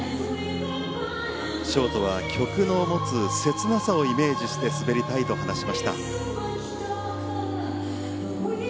ショートは曲の持つ切なさをイメージして滑りたいと話しました。